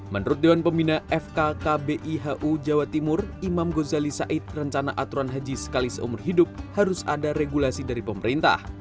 menurut dewan pembina fkkbihu jawa timur imam gozali said rencana aturan haji sekali seumur hidup harus ada regulasi dari pemerintah